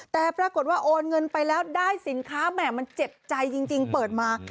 แต่ปรากฏว่าโอนเงินไปแล้วได้สินค้าแหม่มันเจ็บใจจริงเปิดมา